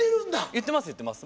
言ってます言ってます。